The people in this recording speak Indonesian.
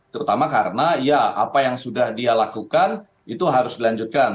terutama karena ya apa yang sudah dia lakukan itu harus dilanjutkan